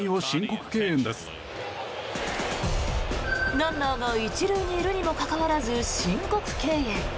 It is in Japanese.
ランナーが１塁にいるにもかかわらず申告敬遠。